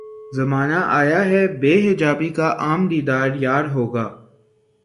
زمانہ آیا ہے بے حجابی کا عام دیدار یار ہوگا